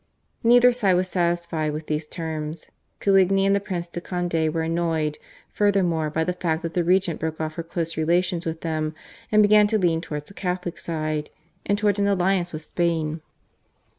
Neither side was satisfied with these terms. Coligny and the Prince de Conde were annoyed furthermore by the fact that the regent broke off her close relations with them, and began to lean towards the Catholic side and toward an alliance with Spain.